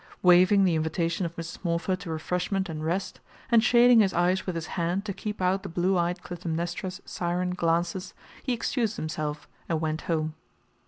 Waiving the invitation of Mrs. Morpher to refreshment and rest, and shading his eyes with his hand to keep out the blue eyed Clytemnestra's siren glances, he excused himself, and went home.